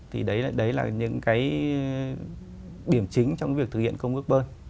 thì đấy là những cái điểm chính trong việc thực hiện công ước bơn